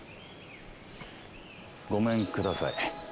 ごめんください。